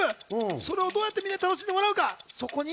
それをどうやってみんなに楽しんでもらうか。